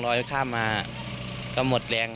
ข้ามมาก็หมดแรง